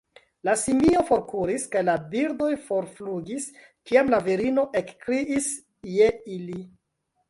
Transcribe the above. La simio forkuris kaj la birdoj forflugis, kiam la virino ekkriis je ili.